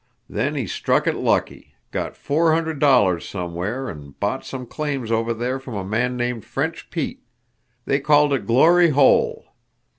Then he struck it lucky, got four hundred dollars somewhere, and bought some claims over there from a man named French Pete. They called it Glory Hole.